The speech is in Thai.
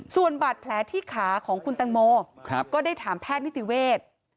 ส่วนบาดแผลที่ขาของคุณตังโมก็ได้ถามแพทย์นิติเวทย์